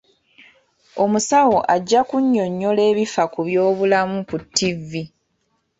Omusawo ajja kunyonnyola ebifa ku byobulamu ku ttivvi.